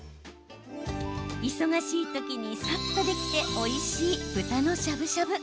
忙しい時に、さっとできておいしい豚のしゃぶしゃぶ。